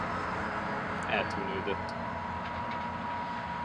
Eltűnődött.